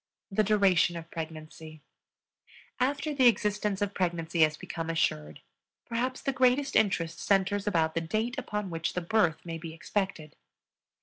THE DURATION OF PREGNANCY. After the existence of pregnancy has become assured, perhaps the greatest interest centers about the date upon which the birth may be expected.